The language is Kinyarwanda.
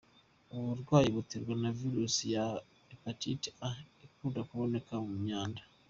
Ubu burwayi buterwa na virusi ya Hepatite A ikunda kuboneka mu myanda.